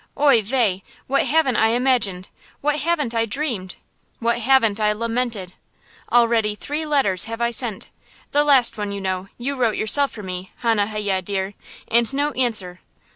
Oi, weh! what haven't I imagined, what haven't I dreamed, what haven't I lamented! Already three letters have I sent the last one, you know, you yourself wrote for me, Hannah Hayye, dear and no answer.